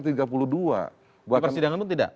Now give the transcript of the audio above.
di persidangan pun tidak